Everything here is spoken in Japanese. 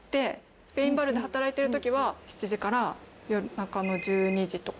スペインバルで働いてる時は７時から夜中の１２時とか。